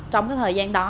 trong thời gian đó